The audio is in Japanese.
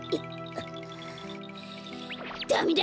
ダメだ！